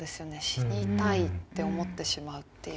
「死にたい」って思ってしまうっていう。